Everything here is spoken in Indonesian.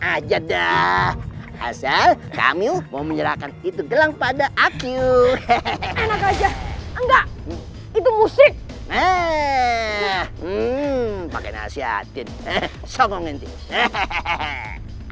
aja dah asal kamu mau menyerahkan itu gelang pada aku enak aja enggak itu musik